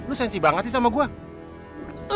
lu sensi banget sih sama gue